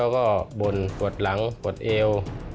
มัวรอยเขาก็บ่นปวดหลังปวดเอว